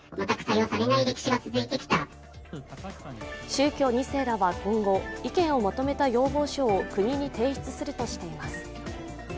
宗教２世らは今後、意見をまとめた要望書を国に提出するとしています。